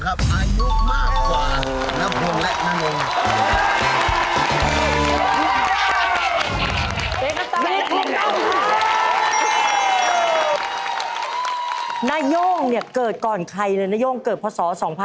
นาย่งเนี่ยเกิดก่อนใครเลยนโย่งเกิดพศ๒๕๖๒